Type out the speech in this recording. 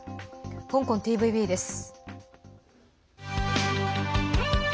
香港ＴＶＢです。